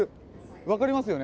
分かりますよね？